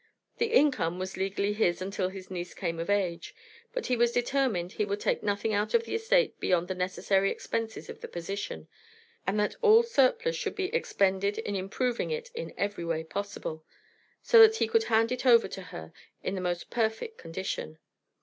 The income was legally his until his niece came of age, but he was determined he would take nothing out of the estate beyond the necessary expenses of the position, and that all surplus should be expended in improving it in every way possible, so that he could hand it over to her in the most perfect condition.